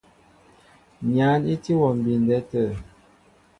Nyǎn í tí wɔ mbindɛ tə̂.